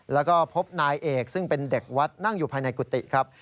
แล้วก็พบนายเอกซึ่งเป็นเด็กวัดนั่งอยู่ภายในกุฏิครับ